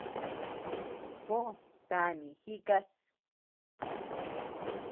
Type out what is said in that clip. Juó kanii jikás.